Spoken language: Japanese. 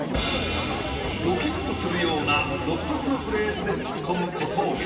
ドキッとするような独特のフレーズでツッコむ小峠。